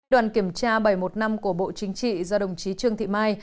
đoàn kiểm tra bảy một năm của bộ chính trị do đồng chí trương thị mai